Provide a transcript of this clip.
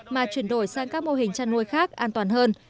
mà chuyển đổi sang các mô hình chăn nuôi khác an toàn hơn